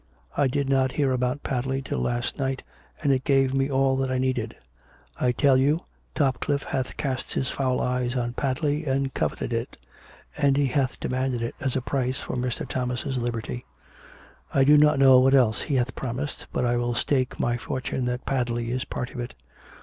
I did not hear about Padley till last night, and it gave me all that I needed. I tell you Topcliffe hath cast his foul eyes on Padley and coveted it; and he hath de manded it as a price for Mr. Thomas' liberty. I do not know what else he hath promised, but I will stake my fortune that Padley is part of it.